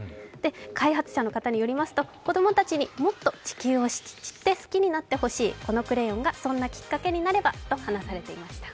開発者の方によりますと子供たちにもっと地球を知って好きになってほしい、このクレヨンがそんなきっかけになればと話されていました。